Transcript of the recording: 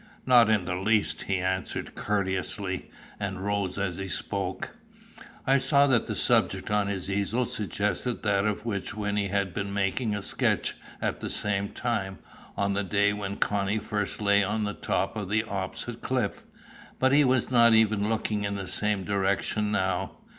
"Not in the least," he answered courteously, and rose as he spoke. I saw that the subject on his easel suggested that of which Wynnie had been making a sketch at the same time, on the day when Connie first lay on the top of the opposite cliff. But he was not even looking in the same direction now.